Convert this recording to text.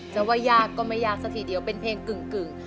จะว่ายากก็ไม่ยากสักทีเดียวเป็นเพลงกึ่ง